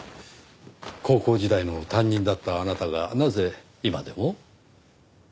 高校時代の担任だったあなたがなぜ今でも？